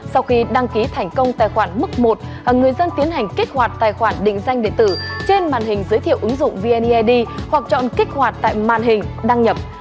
sau khi đăng ký thành công tài khoản mức một người dân tiến hành kích hoạt tài khoản định danh điện tử trên màn hình giới thiệu ứng dụng vneid hoặc chọn kích hoạt tại màn hình đăng nhập